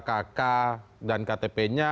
kk dan ktp nya